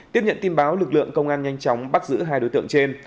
tiếp nhận tin báo lực lượng công an nhanh chóng bắt giữ hai đối tượng trên